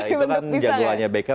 itu kan jagoannya beckham